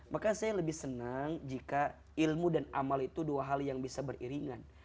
maka saya lebih senang jika ilmu dan amal itu dua hal yang bisa beriringan